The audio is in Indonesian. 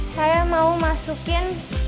saya mau masukkan